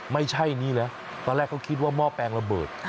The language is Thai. ไม่ใช่นี้นะตอนแรกเขาคิดว่าหม้อแปลงระเบิด